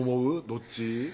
どっち？